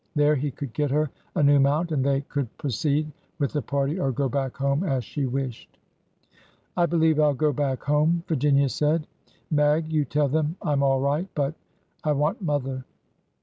There he could get her a new mount and they could pro ceed with the party or go back home as she wished. '' I believe I 'll go back home," Virginia said. '' Mag, you tell them I 'm all right— but— I want mother."